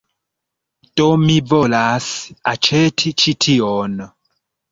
Do mi volas aĉeti ĉi tion